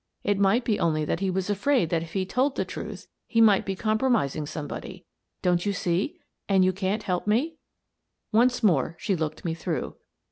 It might be only that he was afraid that if he told the truth he might be compromising somebody. Don't you see? And can't you help me?" Once more she looked me through.